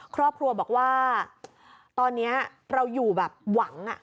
ครอบครัวบอกว่าตอนนี้เราอยู่แบบหวัง